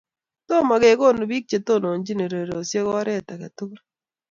Tomo kekonu biik chetononchini ureriosiek oret age tugul.